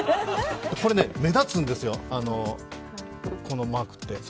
これ目立つんですよ、このマークって。